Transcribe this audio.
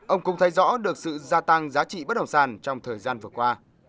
ông cũng thấy rõ được sự gia tăng giá trị bất động sản trong thời gian vừa qua